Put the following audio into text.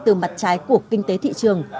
từ mặt trái của kinh tế thị trường